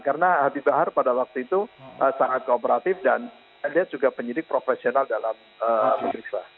karena habib bahar pada waktu itu sangat kooperatif dan dia juga penyidik profesional dalam penyidik